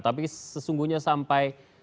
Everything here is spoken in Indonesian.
tapi sesungguhnya sampai